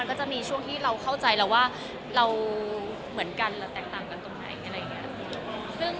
มันก็จะมีช่วงที่เราเข้าใจแล้วว่าเราเหมือนกันแล้วแตกต่างกันตรงไหน